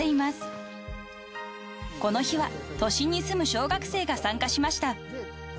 ［この日は都心に住む小学生が参加しました］